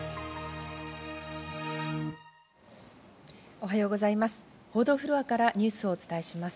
おはようございます。